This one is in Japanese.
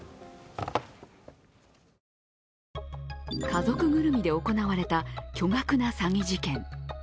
家族ぐるみで行われた巨額な詐欺事件。